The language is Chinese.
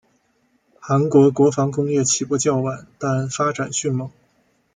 韩国国防工业起步较晚但发展迅猛。